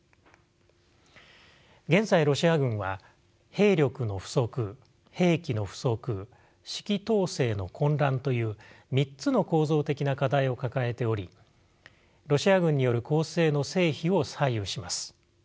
現在ロシア軍は兵力の不足兵器の不足指揮統制の混乱という３つの構造的な課題を抱えておりロシア軍による攻勢の成否を左右します。